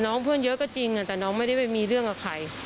เพื่อนเยอะก็จริงแต่น้องไม่ได้ไปมีเรื่องกับใคร